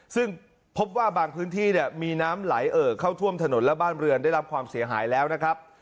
ซึ่งพบว่าบางพื้นที่เนี่ยมีน้ำไหลเอ่อเข้าท่วมถนนและบ้านเรือนได้รับความเสียหายแล้วนะครับ